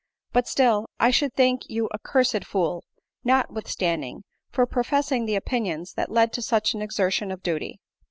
But still I should think you a cursed fool, notwithstanding, for professing the opinions that led to such an exertion of duty.